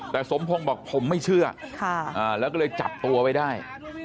แต่สมพงศ์บอกผมไม่เชื่อแล้วก็เลยจับตัวไว้ได้